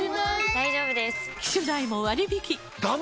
大丈夫です！